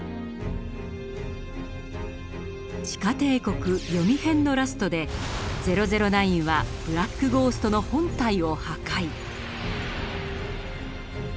「地下帝国“ヨミ”編」のラストで００９はブラック・ゴーストの本体を破壊。